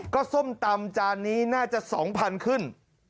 ก็ส้มตำจานนี้น่าจะ๒๐๐๐ขึ้น